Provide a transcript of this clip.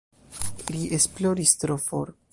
Ri esploris tro for.